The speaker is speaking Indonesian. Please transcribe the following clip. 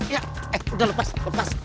ya eh udah lepas lemas